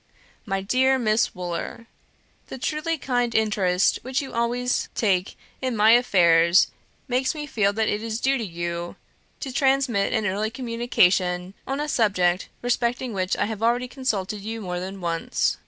"My dear Miss Wooler, The truly kind interest which you always taken in my affairs makes me feel that it is due to you to transmit an early communication on a subject respecting which I have already consulted you more than once.